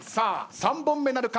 ３本目なるか？